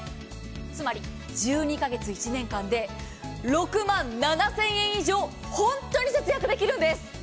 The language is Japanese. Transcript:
つまり１２か月、１年間で６万７０００円以上ホントに節約できるんです。